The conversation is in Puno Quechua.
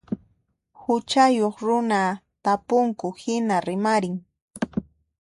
Huchayuq runa tapunku hina rimarin.